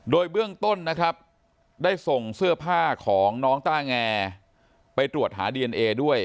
โดยเบื้องต้นนะครับได้ส่งเสื้อผ้าของน้องต้าแงไปตรวจหาดีเอนเอด้วย